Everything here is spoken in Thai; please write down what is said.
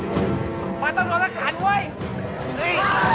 กลัวอย่าลืมโอเคไม่ต้องรับการ